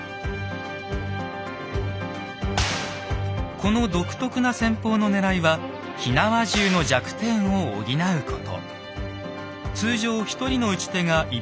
この独特な戦法のねらいは火縄銃の弱点を補うこと。